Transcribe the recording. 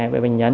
với bệnh nhân